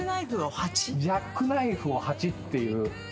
ジャックナイフを８っていう。